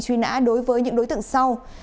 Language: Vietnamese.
truy nã đối với những đối tượng sau